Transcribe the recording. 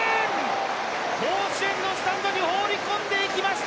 甲子園のスタンドに放り込んでいきました